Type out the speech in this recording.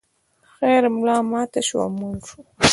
خر ملا ماته شوه او مړ شو.